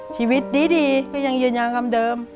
ชีวิตดีก็ยังเยือนอย่างคำเดิม